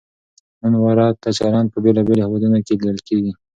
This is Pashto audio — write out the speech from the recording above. نن ورته چلند په بېلابېلو هېوادونو کې لیدل کېږي.